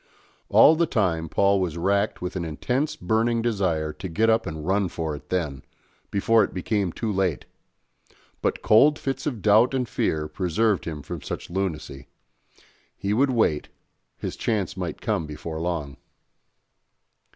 All the time Paul was racked with an intense burning desire to get up and run for it then, before it became too late; but cold fits of doubt and fear preserved him from such lunacy he would wait, his chance might come before long.